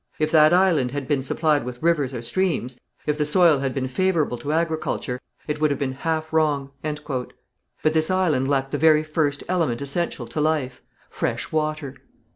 If that island had been supplied with rivers or streams, if the soil had been favourable to agriculture, it would have been half wrong." But this island lacked the very first element essential to life, fresh water.